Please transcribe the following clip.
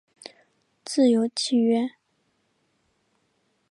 自由契约。